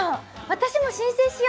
私も申請しよ！